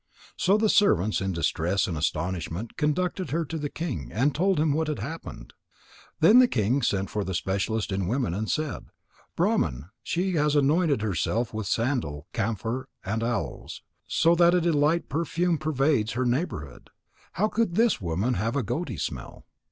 So the servants, in distress and astonishment, conducted her to the king and told him what had happened. Then the king sent for the specialist in women, and said: "Brahman, she has anointed herself with sandal, camphor, and aloes, so that a delightful perfume pervades her neighbourhood. How could this woman have a goaty smell?"